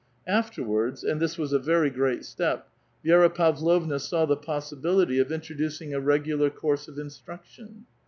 Afterwards — and this was a very great step — Vi^ra Pavlovna saw the l^P^ibility of introducing a regular course of instruction.